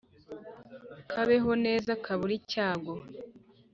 kabeho neza kabure icyago